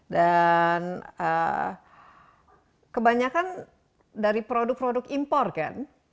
dan kebanyakan dari produk produk impor kan